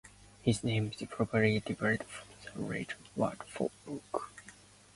His name is probably derived from the Latin word for "book".